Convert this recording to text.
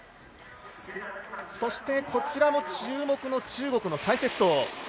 そして、こちらも注目中国の蔡雪桐。